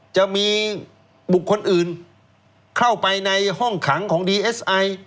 จะมีบุคคลอื่นเข้าไปในห้องขังของดีเอสไอ